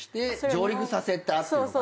上陸させたっていうのかな。